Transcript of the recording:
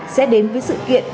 sẽ đến với sự kiện